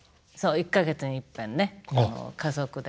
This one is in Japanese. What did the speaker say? １か月にいっぺんねあの家族で。